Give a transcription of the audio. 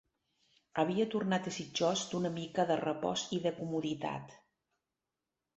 Havia tornat desitjós d'una mica de repòs i de comoditat